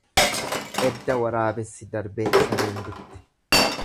Edda waraabessi darbee sareen dutte.